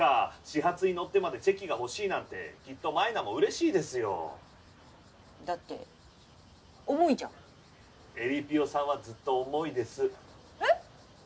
始発に乗ってまでチェキが欲しいなんてきっと舞菜もうれしいですよだって重いじゃんえりぴよさんはずっと重いですえっ